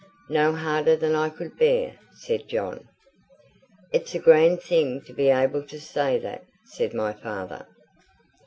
"No harder than I could bear," said John. "It's a grand thing to be able to say that," said my father.